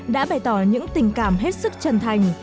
đã bày tỏ những tình cảm hết sức chân thành